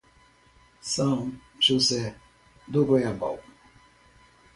São José do Goiabal